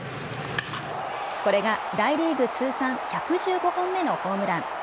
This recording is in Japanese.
これが大リーグ通算１１５本目のホームラン。